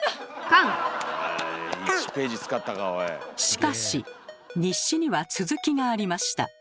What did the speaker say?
しかし日誌には続きがありました。